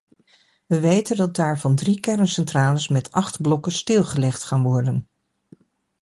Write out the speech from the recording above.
Wij weten dat daarvan drie kerncentrales met acht blokken stilgelegd gaan worden.